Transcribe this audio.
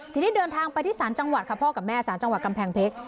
ทีนี้เดินทางไปที่ศาลจังหวัดค่ะพ่อกับแม่สารจังหวัดกำแพงเพชร